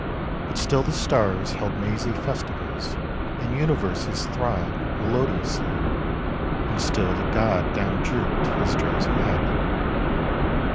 But still the stars held mazy festivals, And universes throbbed melodiously, And still the god down drooped his drowsy head.